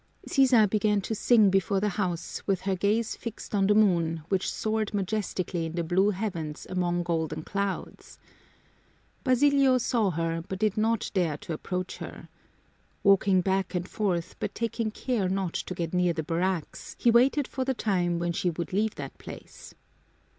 Sisa began to sing before the house with her gaze fixed on the moon, which soared majestically in the blue heavens among golden clouds. Basilio saw her, but did not dare to approach' her. Walking back and forth, but taking care not to get near the barracks, he waited for the time when she would leave that place.